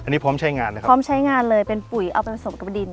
อันนี้พร้อมใช้งานนะครับพร้อมใช้งานเลยเป็นปุ๋ยเอาไปผสมกับดิน